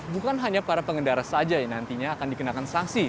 bukan hanya para pengendara saja yang nantinya akan dikenakan sanksi